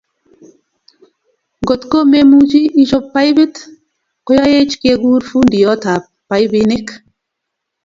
ngot ko memuchi ichop paipit, koyoech kekur fundiotab paipinik